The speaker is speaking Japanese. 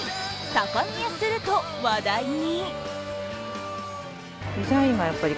高見えすると話題に。